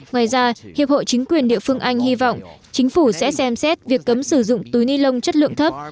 ngoài ra hiệp hội chính quyền địa phương anh hy vọng chính phủ sẽ xem xét việc cấm sử dụng túi ni lông chất lượng thấp